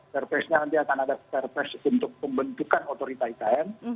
perpesnya nanti akan ada perpes untuk pembentukan otorita ikn